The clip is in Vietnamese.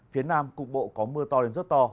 phía nam cục bộ có mưa to đến rất to